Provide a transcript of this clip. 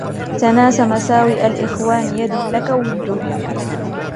تَنَاسَ مَسَاوِئَ الْإِخْوَانِ يَدُمْ لَك وُدُّهُمْ